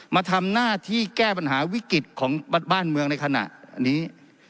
มาทำหน้าที่แก้ปัญหาวิกฤตของบ้านเมืองในขณะนี้